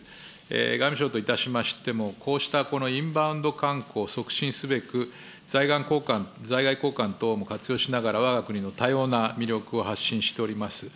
外務省といたしましても、こうしたこのインバウンド観光を促進すべく、在外高官等も活用しながら、わが国の多様な魅力を発信しております。